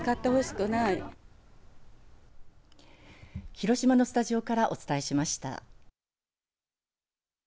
広島のスタジオからお伝えしました。